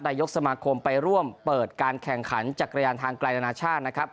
นายกสมาคมไปร่วมเปิดการแข่งขันจักรยานทางไกลนานาชาตินะครับ